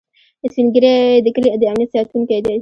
سپین ږیری د کلي د امنيت ساتونکي دي